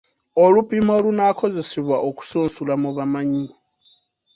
Olupimo olunaakozesebwa okusunsula mu bamanyi.